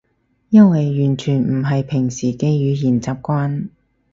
因為完全唔係平時嘅語言習慣